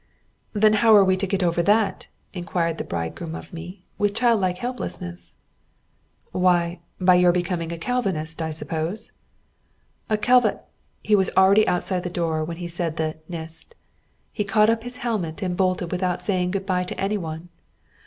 "Then how are we to get over that?" inquired the bridegroom of me, with childlike helplessness. "Why, by your becoming a Calvinist, I suppose." "A Calvi ..." he was already outside the door when he said the ... "nist!" He caught up his helmet and bolted without saying good bye to any one.